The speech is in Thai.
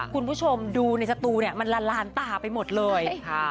คุณผู้ชมดูในสตูเนี่ยมันลานตาไปหมดเลย